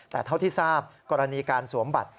แต่เท่าที่ทราบกรณีการสวมบัตร